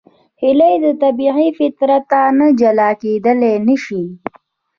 هیلۍ له طبیعي فطرت نه جلا کېدلی نشي